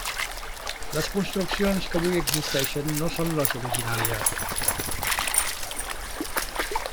Les construccions que avui existeixen no són les originàries.